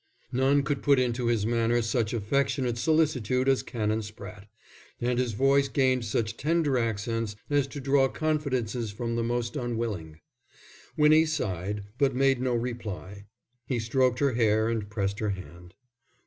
None could put into his manner such affectionate solicitude as Canon Spratte, and his voice gained such tender accents as to draw confidences from the most unwilling. Winnie sighed, but made no reply. He stroked her hair and pressed her hand.